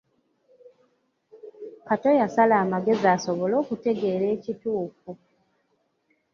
Kato yasala amagezi asobole okutegeera ekituufu.